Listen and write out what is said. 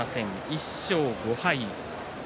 １勝５敗。